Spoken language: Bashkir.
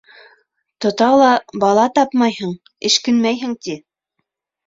Тота ла, бала тапмайһың, эшкинмәйһең, ти.